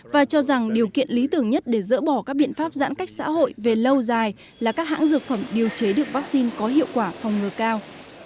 và cho rằng điều kiện lý tưởng nhất để dỡ bỏ các biện pháp giãn cách xã hội về lâu dài là các hãng dược phẩm điều chế được vaccine có hiệu quả phòng ngừa cao